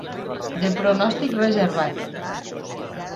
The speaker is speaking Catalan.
De pronòstic reservat.